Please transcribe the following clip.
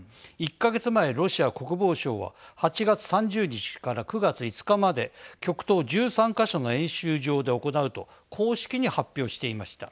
１か月前、ロシア国防省は８月３０日から９月５日まで極東１３か所の演習場で行うと公式に発表していました。